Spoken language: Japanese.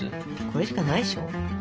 これしかないでしょ。